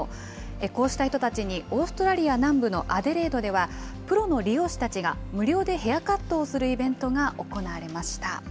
こうした人たちにオーストラリア南部のアデレードでは、プロの理容師たちが無料でヘアカットをするイベントが行われました。